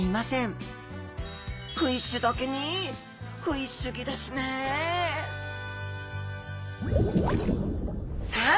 フィッシュだけにフィッシュギですねさあ